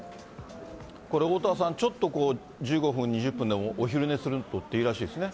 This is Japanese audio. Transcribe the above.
これ、おおたわさん、ちょっと１５分、２０分でもお昼寝するといいらしいですね。